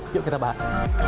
yuk kita bahas